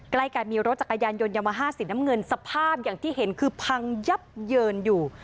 ใกล้กันมีรถจักรยานยนต์ยามาฮ่าสีน้ำเงินสภาพอย่างที่เห็นคือพังยับเยินอยู่